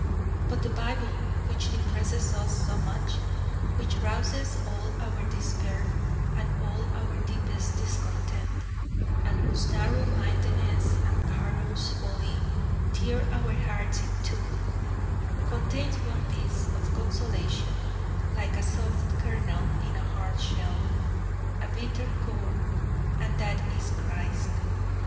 But the Bible which depresses us so much, which rouses all our despair and all our deepest discontent, and whose narrow mindedness and parlous folly{M} tear our hearts in two, contains one piece of consolation like a soft kernel in a hard shell, a bitter core, and that is Christ.